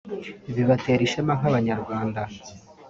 bibatere ishema nk’Abanyarwanda”